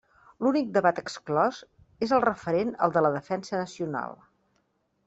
L'únic debat exclòs és el referent al de la defensa nacional.